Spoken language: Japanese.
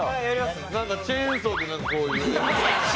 なんかチェーンソーでこういうやつ。